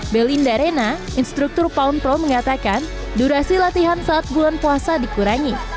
belinda rena instruktur pound pro mengatakan durasi latihan saat bulan puasa dikurangi